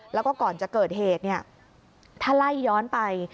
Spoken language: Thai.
แล้วก็ก่อนจะเกิดเหตุเนี่ยถ้าไล่ย้อนไป